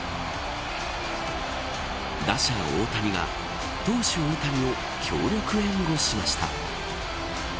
打者大谷が投手大谷を強力援護しました。